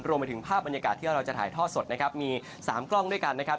รวมไปถึงภาพบรรยากาศที่เราจะถ่ายทอดสดนะครับมี๓กล้องด้วยกันนะครับ